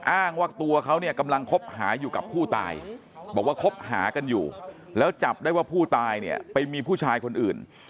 อ้างว่าตัวเขาเนี่ยกำลังคบหาอยู่กับผู้ตายบอกว่าคบหากันอยู่แล้วจับได้ว่าผู้ตายเนี่ยไปมีผู้ชายคนอื่น